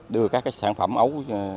đưa các sản phẩm ấu